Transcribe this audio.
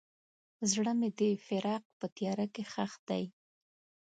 زړه مې د فراق په تیاره کې ښخ دی.